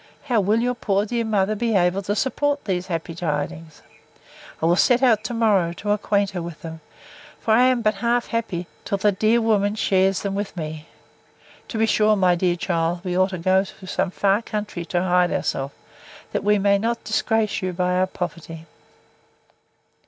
How will your poor dear mother be able to support these happy tidings? I will set out to morrow, to acquaint her with them: for I am but half happy, till the dear good woman shares them with me!—To be sure, my dear child, we ought to go into some far country to hide ourselves, that we may not disgrace you by our poverty!